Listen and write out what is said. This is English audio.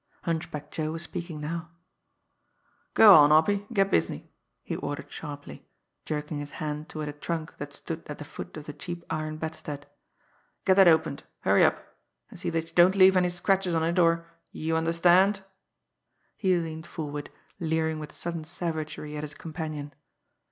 Hunchback Joe was speaking now. "Go on, Hoppy; get busy!" he ordered sharply, jerking his hand toward a trunk that stood at the foot of the cheap iron bedstead. "Get that opened. Hurry up! And see that you don't leave any scratches on it, or you understand!" He leaned forward, leering with sudden savagery at his companion.